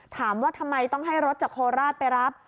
ถามว่าทำไมต้องให้รถจากโคราชไปรับ